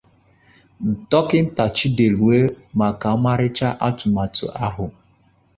Dọkịta Chidolue maka ọmarịcha atụmatụ ahụ